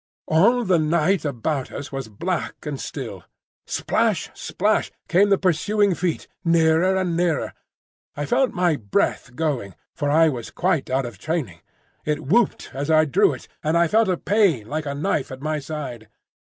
All the night about us was black and still. Splash, splash, came the pursuing feet, nearer and nearer. I felt my breath going, for I was quite out of training; it whooped as I drew it, and I felt a pain like a knife at my side.